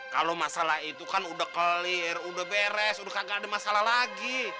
kalau masalah itu kan udah clear udah beres udah gak ada masalah lagi